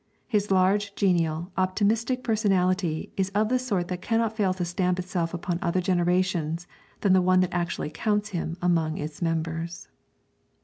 His large, genial, optimistic personality is of the sort that cannot fail to stamp itself upon other generations than the one that actually counts him among its members.